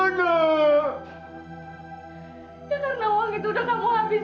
buat leluhur bukan